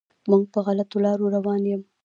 موږ په غلطو لارو روان یم.